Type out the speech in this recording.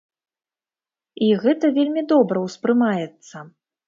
І гэта вельмі добра ўспрымаецца.